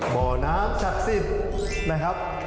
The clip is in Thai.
บ่อน้ำจักษิบนะครับ